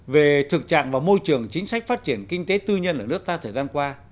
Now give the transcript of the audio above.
về thực trạng và môi trường chính sách phát triển kinh tế tư nhân ở nước ta thời gian qua